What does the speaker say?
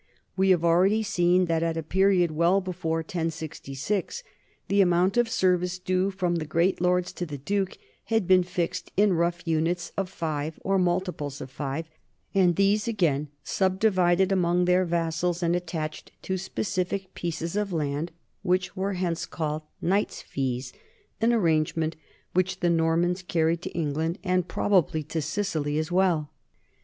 We have al 150 NORMANS IN EUROPEAN HISTORY ready seen that at a period well before 1066 the amount of service due from the great lords to the duke had been fixed in rough units of five or multiples of five, and these again subdivided among their vassals and attached to specific pieces of land which were hence called knights' fees, an arrangement which the Normans carried to Eng land and probably to Sicily as well.